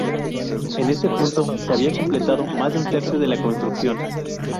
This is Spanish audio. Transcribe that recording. En este punto se había completado más de un tercio de la construcción.